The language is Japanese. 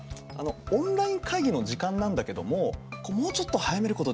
オンライン会議の時間なんだけどももうちょっと早めることできないかな？